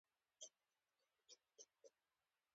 ازادي راډیو د اقتصاد د ارتقا لپاره نظرونه راټول کړي.